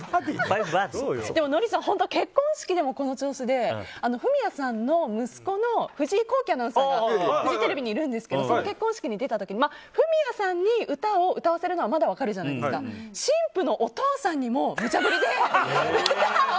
ノリさん本当に結婚式でも、この調子でフミヤさんの息子の藤井弘輝アナウンサーがフジテレビにいるんですけどその結婚式に出た時にフミヤさんに歌を歌わせるのはまだ分かるじゃないですか新婦のお父さんにもむちゃ振りで歌を。